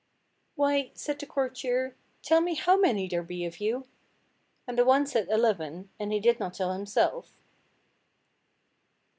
"Why," said the courtier, "tell how many there be of you," and the one said eleven, and he did not tell himself.